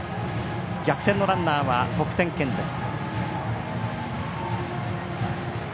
逆転のランナーは得点圏です。